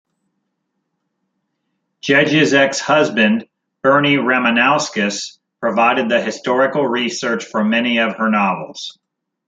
Gedge's ex-husband, Bernie Ramanauskas, provided the historical research for many of her novels.